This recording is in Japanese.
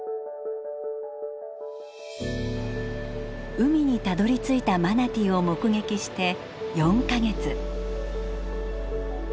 海にたどりついたマナティーを目撃して４か月。